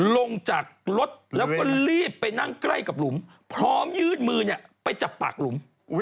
ลงจากรถแล้วก็รีบไปนั่งใกล้กับหลุมพร้อมยื่นมือไปจับปากหลุม